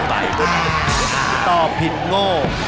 ตอบผิดโง่